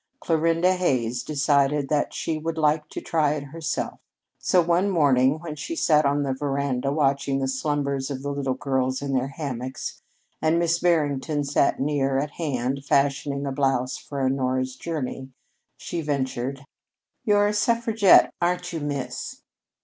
Clarinda Hays decided that she would like to try it herself; so one morning when she sat on the veranda watching the slumbers of the little girls in their hammocks, and Miss Barrington sat near at hand fashioning a blouse for Honora's journey, she ventured: "You're a suffragette, ain't you, Miss?"